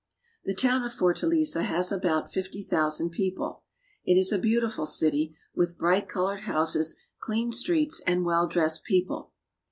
The town of Fortaleza has about fifty thousand people. It is a beautiful ""^'^"^^^^^^^^*^'' Peddler." city, with bright colored houses, clean streets, and well dressed people.